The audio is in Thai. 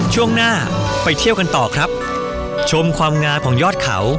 ช่วงหน้าไปเที่ยวกันต่อครับชมความงามของยอดเขา